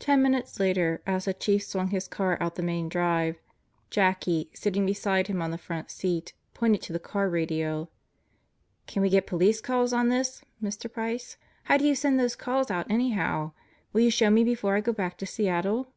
Ten minutes later, as the Chief swung his car out the main drive, Jackie, sitting beside him on the front seat, pointed to the car radio. "Can we get Police Calls on this, Mr. Price? How do you send those calls out anyhow? Will you show me before I go back to Seattle?"